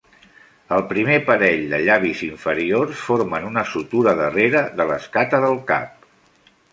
El primer parell de llavis inferiors formen una sutura darrere de l'escata del cap.